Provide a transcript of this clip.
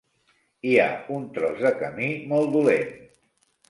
Hi ha un tros de camí molt dolent.